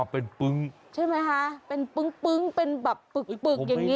เป็นปึ๊งใช่ไหมคะเป็นปึ้งเป็นแบบปึกอย่างนี้